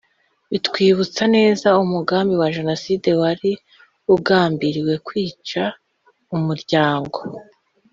bitwibutsa neza umugambi wa Jenoside wari ugambiriye kwica umuryango